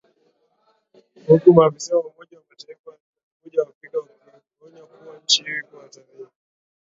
huku maafisa wa Umoja wa Mataifa na Umoja wa Afrika wakionya kuwa nchi hiyo iko hatarini